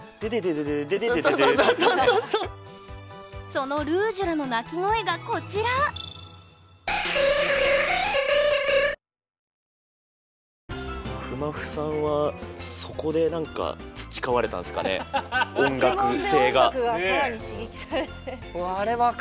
そのルージュラの鳴き声がこちらまふまふさんはそこで何かポケモンで音楽が更に刺激されて。